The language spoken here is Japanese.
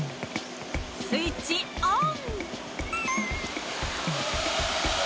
スイッチオン